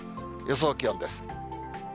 予想気温です。